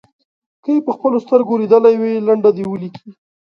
که یې په خپلو سترګو لیدلې وي لنډه دې ولیکي.